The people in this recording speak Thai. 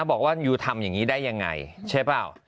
บอกว่ายูทำอย่างนี้ได้ยังไงใช่เปล่า